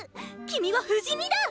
君は不死身だ！